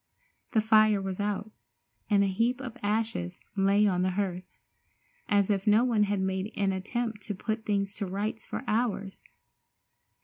The fire was out, and a heap of ashes lay on the hearth, as if no one had made an attempt to put things to rights for hours.